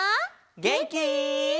げんき？